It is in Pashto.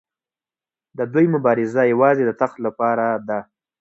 د دوی مبارزه یوازې د تخت لپاره ده.